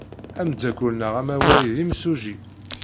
Ameddakel-nneɣ amaway d imsujji.